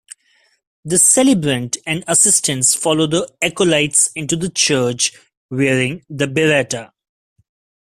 The celebrant and assistants follow the acolytes into the church wearing the biretta.